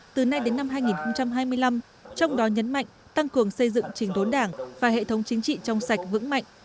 từ nay đến năm hai nghìn hai mươi năm trong đó nhấn mạnh tăng cường xây dựng trình đốn đảng và hệ thống chính trị trong sạch vững mạnh